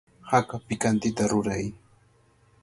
Haka pikantita ruray.